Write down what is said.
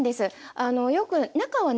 あのよく中はね